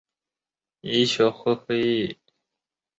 同年赴马尼拉参加菲律宾群岛医学会会议。